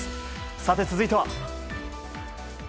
さて、続いては。